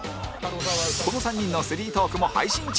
この３人のスリートーークも配信中